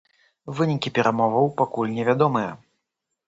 Вынікі перамоваў пакуль невядомыя.